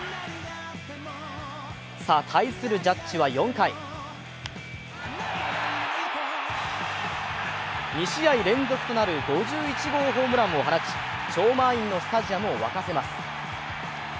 対するジャッジは４回２試合連続となる５１号ホームランを放ち超満員のスタジアムを沸かせます。